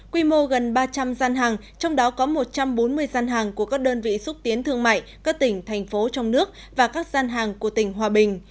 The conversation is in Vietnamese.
quy mô gần ba trăm linh gian hàng trong đó có một trăm bốn mươi gian hàng của các đơn vị xúc tiến thương mại các tỉnh thành phố trong nước và các gian hàng của tỉnh hòa bình